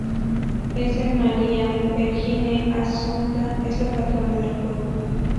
S. Maria Vergine Assunta es la patrona del pueblo.